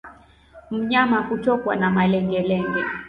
Mnyama kutokwa na malengelenge